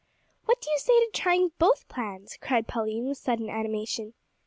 "What do you say to trying both plans?" cried Pauline, with sudden animation.